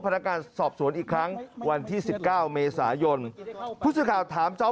พนักงานสอบสวนอีกครั้งวันที่๑๙เมษายนผู้สื่อข่าวถามจ๊อป